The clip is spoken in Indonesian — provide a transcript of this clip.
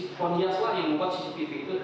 pon hias lah yang membuat cctv itu